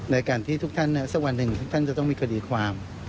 ในการที่ทุกท่านสักวันหนึ่งทุกท่านจะต้องมีคดีความ